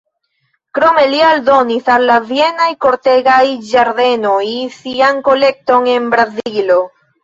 Krome li aldonis al la Vienaj kortegaj ĝardenoj sian kolekton en Brazilo.